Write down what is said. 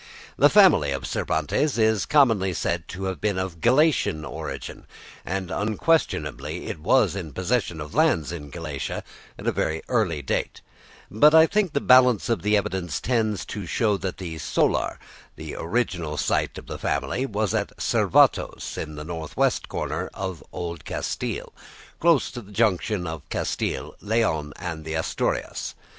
The family of Cervantes is commonly said to have been of Galician origin, and unquestionably it was in possession of lands in Galicia at a very early date; but I think the balance of the evidence tends to show that the "solar," the original site of the family, was at Cervatos in the north west corner of Old Castile, close to the junction of Castile, Leon, and the Asturias.